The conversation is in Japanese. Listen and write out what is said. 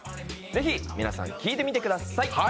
ぜひ皆さん聴いてみてください。